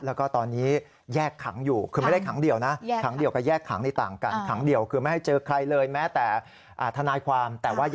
แล้วก็ตอนนี้แยกขังอยู่คือไม่ได้ขังเดี่ยวนะ